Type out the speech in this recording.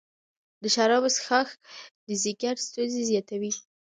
د شرابو څښاک د ځیګر ستونزې زیاتوي.